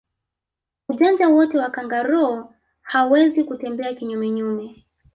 Ujanja wote wa kangaroo hawezi kutembea kinyume nyume